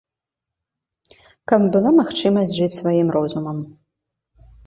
Каб была магчымасць жыць сваім розумам.